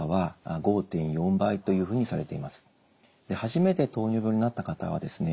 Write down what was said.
初めて糖尿病になった方はですね